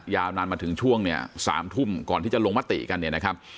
ยาวนานมาถึงช่วง๓ทุ่มก่อนที่จะลงมติกัน